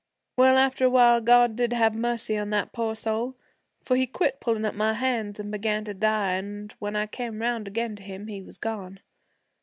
'Well, after a while, God did have mercy on that poor soul, for he quit pullin' at my hands, and began to die, an' when I came 'round again to him he was gone.